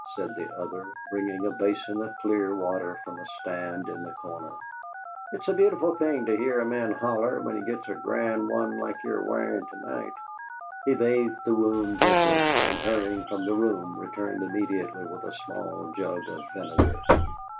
said the other, bringing a basin of clear water from a stand in the corner. "It's a beautiful thing to hear a man holler when he gits a grand one like ye're wearing to night." He bathed the wound gently, and hurrying from the room, returned immediately with a small jug of vinegar.